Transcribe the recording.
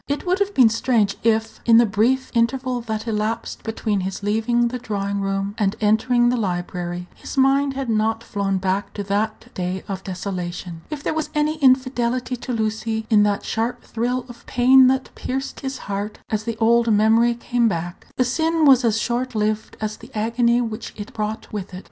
It would have been strange if, in the brief interval that elapsed between his leaving the drawing room and entering the library, his mind had not flown back to that day of desolation. If there was any infidelity to Lucy in that sharp thrill of pain that pierced his heart as the old memory came back, the sin was as short lived as the agony which it brought with it.